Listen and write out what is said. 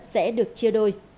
sẽ được chia đôi